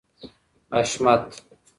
حشمت